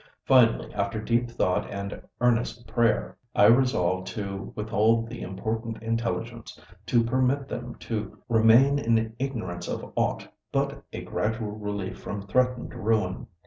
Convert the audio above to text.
Finally, after deep thought and earnest prayer, I resolved to withhold the important intelligence—to permit them to remain in ignorance of aught but a gradual relief from threatened ruin.